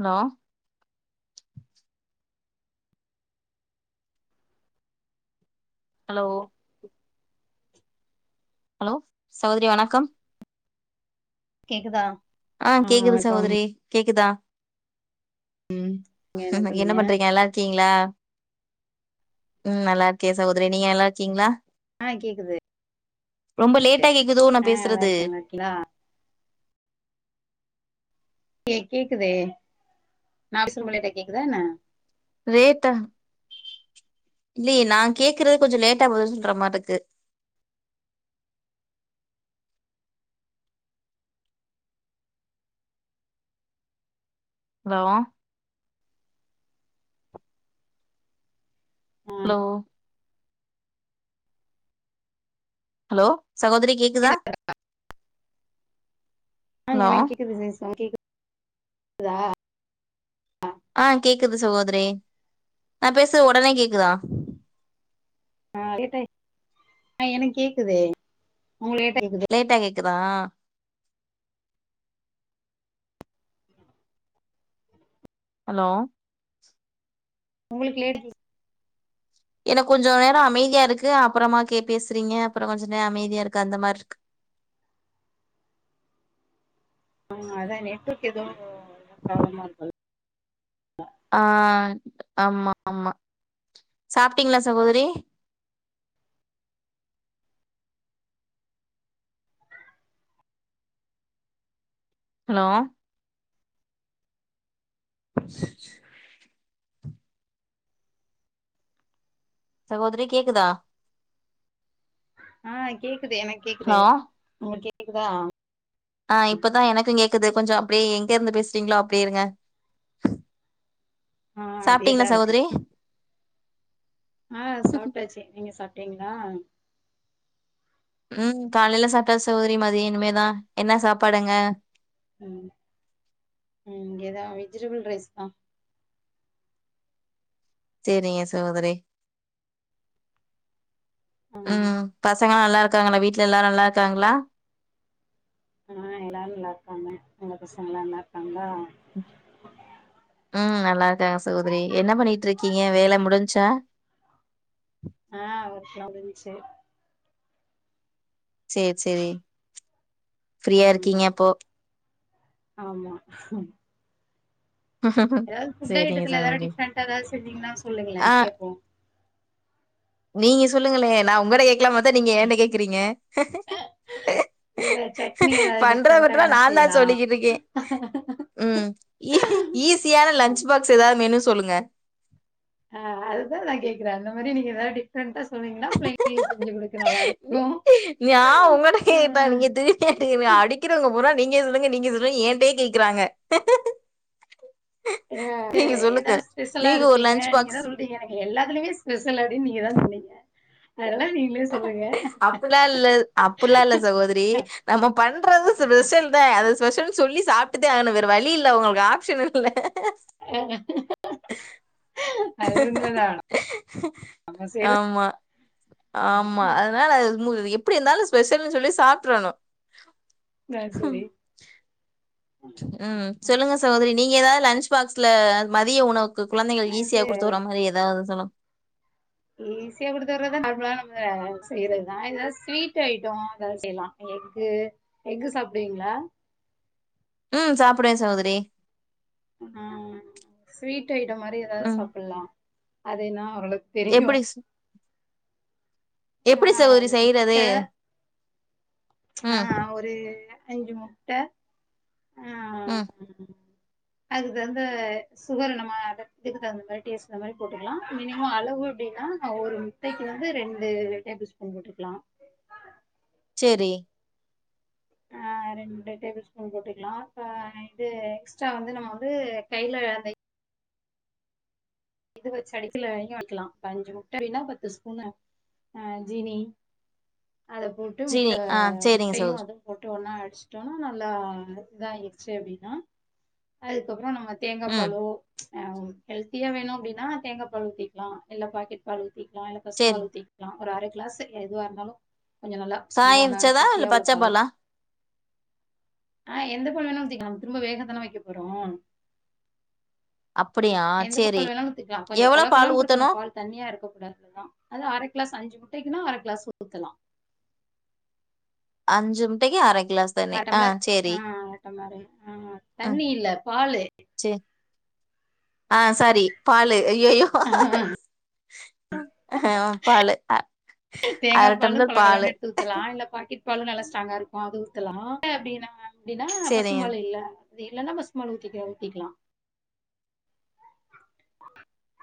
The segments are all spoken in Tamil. அலோ ஹலோ ஹலோ சகோதரி வணக்கம் கேக்குதா ஆ கேக்குது சகோதரி கேக்குதா ம். என்ன பண்றீங்க நல்லாரு க்கீங்ளா ம் நல்லா இருக்க சகோதரி நீங்க நல்லா இருக்கீங்ளா ஆ கேக்குது ரொம்ப லேட்டா கேக்குதோ நா பேசுறது நா இல்யே கேக்குதே நா பேசறது உங்களிட்ட கேக்குதா என்ன லேட்டா இல்லையே நா கேக்கறது கொஞ்சோ லேட்டா பதில் சொல்ற மார்றுக்கு ஹலோ ஆ ஹலோ ஹலோ சகோதரி கே இல்ல ஆ ஹலோ எனக்கு கேக்குது சிஸ் உங் கேக் கேதா ஆ கேக்குது சுகோதரி நா பேசுறது ஒடனே கேக்குதா ஆ லேட்டாய் ஆ எனக்கு கேக்குதே உங்களிட்ட கேக்குதா லேட்டா கேக்குதா ஹலோ உங்களுக்கு லேட்டா கே ஏனா கொஞ்ச நேரோ அமைதியா இருக்கு அப்புறமா கே பேசுறீங்க அப்புறம் கொஞ்ச நேரோ அமைதியாக்கு அந்த மாரி இருக்கு ஆ அதா நெட்வொர்க் எதோ ப்ராப்ளமா இருக்கு ஆ ஆமா ஆமா சாபபிட்டீங்களா சகோதரி ஹலோ சகோதிரி கேக்குதா ஆ கேக்குது எனக்கு கேக்குது ஹலோ உங்களுக் கேக்குதா ஆ இப்பதா எனக்கு கேக்குது கொஞ்சோ அப்டியே எங்க இருந்து பேசுறீங்களோ அப்டியே இருங்க ஆ அப்டியேதா சாப்பிடீங்களா இருக்கு சகோதரி ஆ சாப்டாச்சு நீங்க சாப்டீங்களா ம் காலையில சாப்டாச்சு சகோதரி மாதியோ இனிமேதா என்ன சாப்பாடு அங்க ம் ம் இங்கதா வெஜிடபிள் ரைஸ் தா சேரிங்க சகோதரி ஆ ம் பசங்கலா நல்லா இருக்காங்களா வீட்ல எல்லா நல்லா இருக்காங்களா ஆ எல்லாரு நல்லா இருக்காங்க உங்க பசங்க எல்லா நல்லா இருக்காங்களா ம் நல்லா இருக்காங்க சகோதரி என்ன பண்ணிட்டு இருக்கீங்க வேல முடிஞ்ச்சா ஆ அவர்க்குலா முடிஞ்ச்சு சேர் சேரி ஃப்ரீயா ம் இருக்கீங்க அப்போ ஆமா ஏதாவது ஃபுட் சேரிங்க ஐட்டத்துல எதனா சகோதரி டிப்ரெண்டா ஏதாது செஞ்சிங்கன்னா சொல்லுங்கலே ஆ கேபோ நீங்க சொல்லுங்களே நா உங்கள கேக்கலாம் பாத்தா நீங்க என்ன கேக்குறீங்க இல்ல சட்னி ஏதாவது டிஃப்ரெண்டா பண்றவங்கட்டலா என்ன நாதா செய்யலா சொல்லிக்கிட்டுருக்கே ம் ஈஸியான லன்ச் பாக்ஸ் ஏதாவது மெனு சொல்லுங்க ஆ அதுதான் நான் கேக்குறே அந்த மாரி நீ ஏதவது டிப்ரெண்ட்டா சொன்னீங்கனா பிள்ளைகளு செஞ்சுகுடு நா உங்கல்ட கேட்டா நீங்க எனக் அடிக்கிறவங்க பூரா நீங்க சொல்லுங்க நீங்க சொல்லுங்க ஏன்டே கேக்றாங்க என எ சொல்லுங்க எதாது ஸ்பெஷலா நீங்க ஒரு இருப்பீங்க லன்ச் நீங்க பாக்ஸ் ஏத சொல் எனக்கு எத்துலயு ஸ்பெஷல் அப்டி நீங்க தா சொன்னீங்க அதெல்லா நீங்களே சொல்லுங்க அப்புல்லா அப்புல்லா இல்ல சகோதிரி நம்ம பண்றது ஸ்பெஷல் தா அது ஸ்பெஷல்ன்னு சொல்லி சாப்ட்டுதே ஆவனு வேற வழி இல்ல உங்க ஆப்ஷனு இல்ல அது உண்மதா நம்ம செய்ற ஆமா ஆமா அதனால அது மு எப்டி இருந்தாலு ஸ்பெஷல்ன்னு சொல்லி சாப்டறணு இதா சரி ம் சொல்லுங்க சகோதரி நீங்க ஏதாவது லன்ச் பாக்ஸ்ல மதிய உணவு உங்க குழந்தைகள் அது ஈஸியா குடுத்துர மாரி ஏதாவது சொல்லு ஈஸியா கொடுத்துறதா நாம்லால செய்யறதுதா ஏதாவது ஸ்வீட் ஐட்டோ அதாவுது செய்லா எக்கு எக்கு சாப்டுவிங்களா ம் சாப்டுவே சகோதரி ஆ ஸ்வீட் ஐட்டம் மாரி ஏதாவது ம். சாப்டலா அதுனா ஒரளக்கு எப்டி ஆ எப்டி சகோதரி செய்யறது நானா ஒரு அஞ்சு முட்ட ம் அதுகு வந்து சுகர்ணம்மா அத இதுக்கு தகுந்த மாரி டேஸ்ட் அந்த மாரி போட்டுக்கலா மினிமம் அளவு அப்டின்னா ஒரு முட்டைக்கு வந்து ரெண்டு டேபிள் ஸ்பூன் போட்டுக்கலா சேரி ஆ ரெண்டு டேபிள் ஸ்பூன் போட்டுக்கலா அ இது எக்ஸ்ட்ரா வந்து நம்ம வந்து கையில அந்த இதுவச்சு அடிக்கல இங்க வக்கலா அஞ்சு முட்ட அப்டின்னா பத்து ஸ்பூனு ஆ ஜீனி அத போட்டு ஜீனி முட்ட ஆ சரிங்க முட்டயு சகோதரி. அது போட்டு ஒன்னா அடிச்ட்டோனா நல்லா இத ஆயிருச்சி அப்டின்னா அதுக்கப்பறோ நாம தேங்கா ம். பாலோ அ ஹெல்த்தியா வேணு அப்டினா தேங்கா பாலூ ஊத்திக்கலா இல்லா பாக்கெட் பாலு ஊத்திக்கலா இல்ல பசு சரி. பாலு ஊத்திக்கலா ஒரு அர கிளாஸு எதுவா இருந்தாலு கொஞ்சோ நல்லா காய ஸ்ட்ராங்கா நல்லா வச்சதா இல்ல கெட்டியா உள்ள பச்சப் பால். பால்லா ஆ எந்த பால் வேணா ஊத்திக்கலா திரும்ப வேகதான வெக்க போறோ அப்படியா எந்த பாலு வேணா ஊத்திக்கலா கொஞ்சோ கொல கொலன்ருக்கணு ஊத்தணும்? பால் தண்ணியா இருக்க கூடாது அதா அது அர கிளாஸ் அஞ்சு முட்டைக்குன்னா அர கிளாஸ் ஊத்தலா அஞ்சு முட்டைக்கு அர கிளாஸ் தண்ணி. அர ஆ ட்ம்லர் சரி. ஆ அர ட்ம்லர் அர ஆ ம். தண்ணி இல்ல பாலு சரி. ஆ சாரி பாலு ஐயயோ ஆ ஹ பாலு அ தேங்கா பாலு கொலக்கொலனு எடுத்து க்கலா இல்ல பாக்கெட் பாலு நல்லா ஸ்ட்ராங்கா இருக்கு அது ஊத்தலா அப்டின்னா அப்டின்னா பசு சேரிங்க பாலு இல்ல அது இல்லன்னா பசு பாலு ஊத்திக்க ஊத்திக்கலா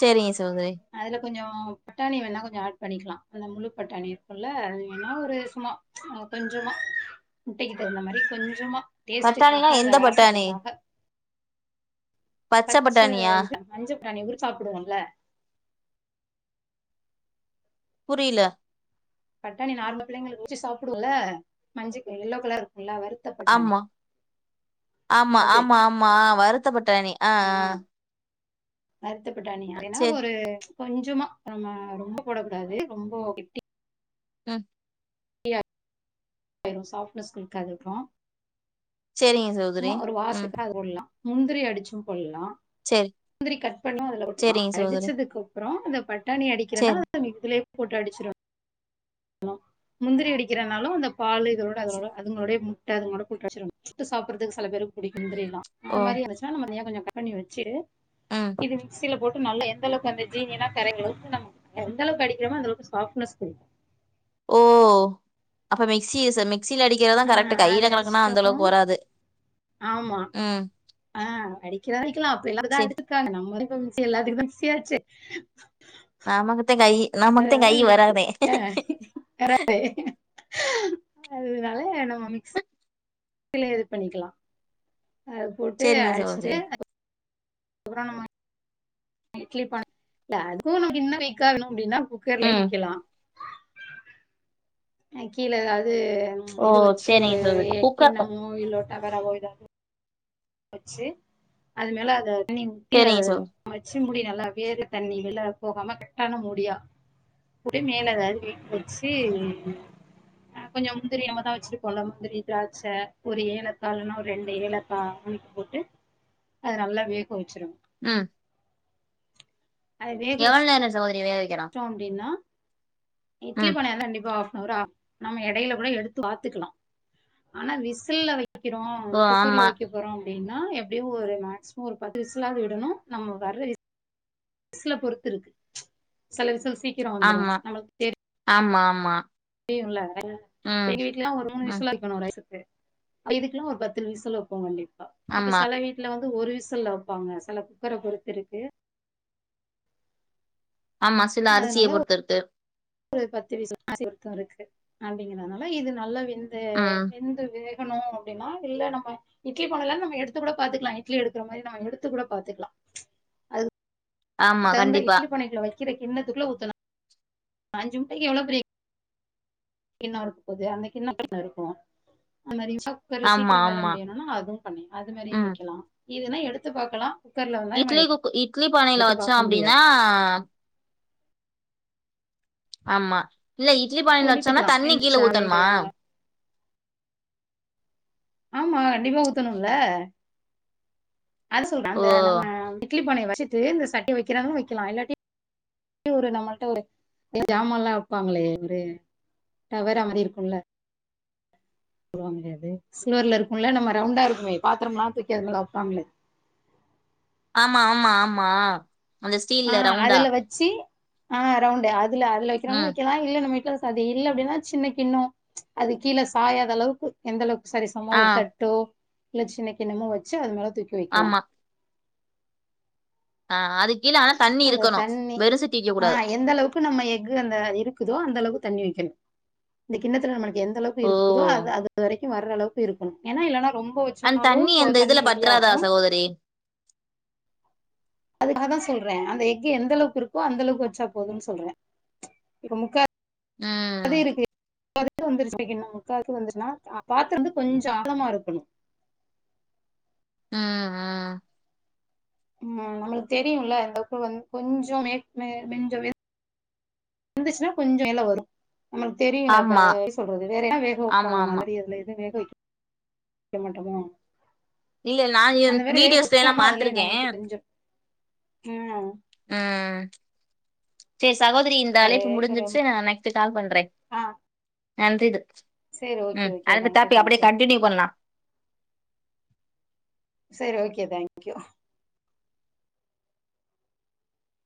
சேரிங்க சகோதிரி அதுல கொஞ்சோ பட்டாணி வேணா கொஞ்சோ ஆட் பண்ணிக்கலா அந்த முழுப்பட்டாணி இருக்குள்ள அது வேணா ஒரு சும்மா அ கொஞ்சமா முட்டைக்கு தகுந்த மாரி கொஞ்சமா டேஸ்ட்டுக்காக பட்டாணினா அந்த எந்த பட்டாணி வாசத்துக்காக பச்ச இது மஞ்ச பிரநானி உருச் சாப்புடுவோல புரில பட்டாணி நார்மல பிள்ளைங்களுக்கு உரிச்சி சாப்டுவோல்ல மஞ்சக்கே எல்லோ கலர் இருக்குல்லா வரு ஆமா ஆமா அது ஆமா ஆமா அ வருத்தப்பட்டணி ஆ ஆ வருத்தப்பட்டாணி அது வேணா சேரி ஒரு கொஞ்சமா நம்ம ரொம்ப போடக் கூடாது ரொம்போ கெட்டி ம் [unintelligible] ஆயிரு சாஃப்னஸ் குடுக்காது அப்றோ சேரிங்க ச சும்மா ஒரு வாசக்கு அது போட்லா முந்திரி அடிச்சு போல்லா சேரி முந்திரி கட் பண்ணி அதுல போட்டுக்லா சேரிங்க சகோதரி அடிச்சதுக்கு அப்றோ அந்த பட்டாணி அடிக்கிறனா சேரி அத இதுலே போட்டு அடிச்சிறிவ முந்திரி அடிக்கிறனாலு அந்த பாலு இதோட அதோட அதுங்களோடே முட்ட அதுங்களோட போட்டு அச்சிரோனே ட்டு சாப்பறதுக்கு செல பேருக்கு புடிக்கு முந்திரியலா ஓ அந்த மாரி இருச்சுன்னா நம்ம தனியா கொஞ்சோ கட் பண்ணி வச்சு ம் இது மிக்சியில போட் டு நல்ல எந்தளவுக் அந்த ஜீனி எல்லா கரைற அளவுக்கு நம்ம எந்த அளவுக்கு அடிக்கிறமோ அந்தளவுக்கு சாஃப்னஸ் குடு ஓ அப்ப மிக்சிஸ் மிக்சில அடிக்கிறதா ஆ கரெக்ட்டு அத கையில கலக்குக்கனா அடிச்சுட்டோ அந்த அளவுக்கு வராது ஆமா ம் ஆ அடிக்கல அடிக்கலா அப்பலா இப்டிதா சேரி அடிச் சாங்க நம்ம இப்போ மிக்சி எல்லாத்துக்கு மிக்சியாச்சே நமக்குத்தே கையி அதனால மிக்சி அதனால நம்ம மிக்சி லோஇது பண்ணிக்கலா அது போட்டு சேரிங்க அடிச்சிட்டு சகோதரி அப்றோ நம்ம இட்லி பானைல அதுவு இன்னோ வெக்கணோ அப்டீன்னா குக்கர்லயே ம் நிக்கலா கீழே ஏதாவது ஓ இது வெச்சு சேரிங்க ஒரு சகோதரி எ குக்கர் கிண்ணமோ இல்ல டவராவோ ஏதாவது வெச்சி அது மேல அத தண்ணி ஊத்தி அது சேரிங்க சகோ வெச்சு மூடி நல்லா வேறு தண்ணி வெள்ள போகாம கர்ட்டான மூடியா ப்படியே மேலே ஏதாவது வெயிட் வெச்சி கொஞ்சோ முந்திரி நம்மதா வெச்சிருப்போல முந்திரி திராட்ச ஒரு ஏலக்கா இல்லனா ஒரு ரெண்டு ஏலக்கா உளுத்து போட்டு அத நல்லா வேக வெச்சிருனோ ம் அத வேக வெச்ட்டு என்னன்ன சகோதரி வேக வெக்கிறோ அப்டீன்னா இட்லி பானயாந்தா கண்டிப்பா ஆஃப்னாரு ஆகோ நம்ம எடையில கூட எடுத்து பாத்துக்குலா ஆனா விசில்ல வெய்க்கிறோ ஓ ஆமா குக்கர்ல வெக் குறோ அப்டீன்னா எப்டியு ஒரு மேக்சிமோ ஒரு பத்து விசலாது விடணோ நம்ம வர்ற வி விசுல பொறுத்துருக்கு செல விசில்ஸ் ஆமா ஆமா ஆமா தெரியோல ம் எங்க வீட்லலா ஒரு மூணு ம் விசுலா வெக்கணோ ரைசுக்கு இதுக்குலா ஒரு பத்து விசில் வெப்போ கண்டிப்பா இப்ப ஆமா செலவீ ட்ல வந்து ஒரு விசல்ல வெப்பாங்க செல குக்கர பொறுத்துருக்கு ஆமா சில அரிசிய அதனால பொறுத்துருக்கு ஒரு பத்து விசுல் அரிசி பொருத்து இருக்கு அப்டீங்களா நல்லா இது நல்லா வெந்து ம் வெந்து வே கணோ அப்டீனா இல்ல நம்ம இட்லி பானலா நம்ம எடுத்து கூட பாத்துக்கலா இட்லி எடுக்குற மாரி நம்ம எடுத்துகூட பாத்துக்லா ஆமா தகுந்த கண்டிப்பா இட்லி பானக்குள்ள வெக்கிற கிண்ணத்துக்குள்ள ஊத்தனு அஞ்சு முட்டக்கி எவ்ளோ பெரிய கிண்ணோருக்குபோது அந்த கிண்ணோ எத்தன்னருக்கு அந்த மாரி இன்ஸ்டா குக்கர்ல ஆமா சீக்கிரோ வேல ஆமா முடியணுனா அதும் பண்ண அது மாதிரியு ம் வெக்கலா இதுனா எடுத்து பாக்கலா இட்லி குக்கு இட்லி பானைல வெச்சோ பார்க்க அப்டீன்னா முடியாது ஆமா இல்ல இட்லி பானல வெச்சோனா ஒன்னிட்டுக்கலாம் தண்ணி வெந்துச்சு கீழ ஊத்தனுமா ஆமா கண்டிப்பா ஊத்தனோல்ல அத சொல்ற ஓ அந்த நம்ம இட்லி பானய வெச்சுட்டு இந்த சட்டி வெக்கிறவங்க வெக்கலா இல்லாட்டி ஒரு நம்மள்ட்ட எ சாமால்லா வெப்பாங்களே ஒரு டவரா மாரி இருக்கோல்ல போடுவாங்களே அது சில்வர்ல இருக்குல்ல நம்ம ரவுண்டாருக்குமே பாத்திரமெல்லா தூக்கி அதுமேல வெப்பாங்களே ஆமா ஆமா ஆமா அந்த ஆ ஸ்டீல்ல ரவுண்டா அதுல வெச்சி ஆ ரவுண்டு அதுல அதுல வெக்கிறலு ம் வெக்கலா இல்ல நம்ம வீட்ல எதா வது இல்லப்டீன்னா சின்ன கிண்ணோ அது கீழ சாயாத அளவுக்கு எந்தளவுக்கு சரிசமா ஆ ஒரு தட்டோ இல்ல சின்ன கிண்ணமோ வெச்சு அது மேலே தூக்கி வெக்கலா ஆமா ஆ அதுக்கீழ அவ்ளோ தண்ணி ஆ எந்தளவுக் க்கு நம்ம எஃகு அந்த இருக்குதோ அந்த அளவுக்கு தண்ணி வெக்கணோ இந்த கிண்ணத்துல நம்ம எந்தளவுக்கு ஓ இருக்குதோ அது அது வரிக்கோ வர்ரளவுக்கு இருக்கணோ ஏனா இல்லன்னா ரொம்ப வ ச்சன்னாலு பொ தண்ணி வெளியாகோ செரி அதுக்காகதா சொல்றே அந்த எஃகு எந்தளவுக்கு இருக்கோ அந்தளவுக்கு வெச்சா போதோன்னு சொல்ற இப்போ முக்கா அது ம் இருக்கு லு இதுக்கு வந்துருச்சுனா முக்காவுக்கு வந்துச்சன்னா பாத்தரந்து கொஞ்ச ஆகழாமாருக்கணு ம் ம் ம் நம்மளுக்கு தெரியுல இந்தவ்க்கு வந்து கொஞ்சோ மேக் மெஞ்ச வெந்த் வந்துச்சுன்னா கொஞ்சோ மேல வரு நம்மளுக்கு தெரியுலப்ப ஆமா எப்டி சொல்றது வேற என்னா வேகவப்போ ஆமா நம்ம ஆமா ஆல்ரெடி எது வேக வக்க வேக்க மாட்டமோ இல்ல நா அந்த மாரி வேக வீடியோஸ்ல எல்லா வச்சோனா அதுலே பாத்திருக்கே நம்மளுக்கு தெரிஞ்சிரு ம் ம் சேரி சகோதிரி இந் இந்த ஒரு அழைப்பு ஒரு முடிஞ்சிச்சு நா நெக்ஸ்ட் கால் பண்றே ஆ நன்றிது சேரி ஓகே ம் ஓகே அடுத்த தேங்க்யூ டாப்பி அப்டியே தேங்க்யூ கண்டினியூ பண்லா சேரி ஓகே தேங்க்யூ